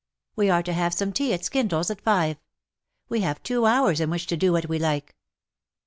We are to have some tea at Skindle's, at five. We have two hours in which to do what we like.''